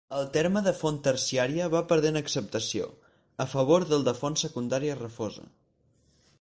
El terme de font terciària va perdent acceptació, a favor del de font secundària refosa.